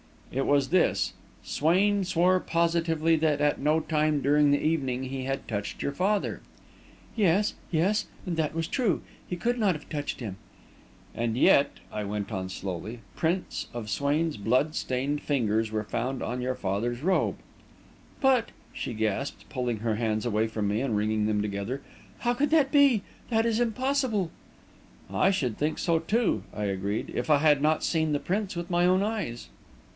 "It was this: Swain swore positively that at no time during the evening had he touched your father." "Yes, yes; and that was true. He could not have touched him." "And yet," I went on slowly, "prints of Swain's blood stained fingers were found on your father's robe." "But," she gasped, pulling her hands away from me and wringing them together, "how could that be? That is impossible!" "I should think so, too," I agreed, "if I had not seen the prints with my own eyes."